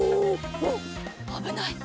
おっあぶない！